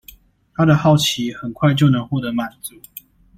他的好奇很快就能獲得滿足